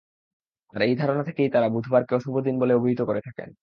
আর এই ধারণা থেকেই তারা বুধবারকে অশুভ দিন বলে অভিহিত করে থাকেন।